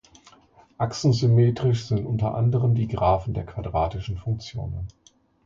Achsensymmetrisch sind unter anderem die Graphen der quadratischen Funktionen.